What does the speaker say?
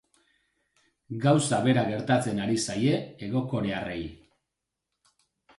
Gauza bera gertatzen ari zaie hegokorearrei.